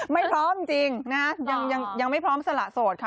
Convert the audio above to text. ไม่พร้อมจริงนะฮะยังไม่พร้อมสละโสดค่ะ